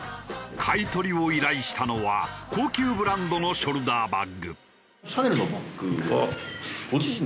買い取りを依頼したのは高級ブランドのショルダーバッグ。